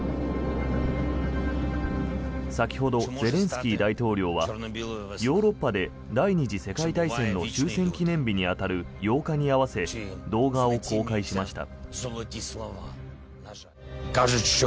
先ほど、ゼレンスキー大統領はヨーロッパで第２次世界大戦の終戦記念日に当たる８日に合わせ動画を公開しました。